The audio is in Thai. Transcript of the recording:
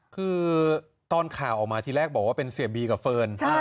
คือตอนข่าวออกมาทีแรกบอกว่าเป็นเสียบีกับเฟิร์น